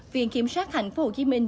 viện kiểm sát thành phố hồ chí minh